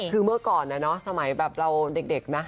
คือเมื่อก่อนสมัยเด็กนะ